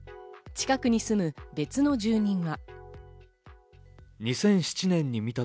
近くに住む別の住民は。